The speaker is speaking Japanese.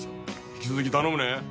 引き続き、頼むね。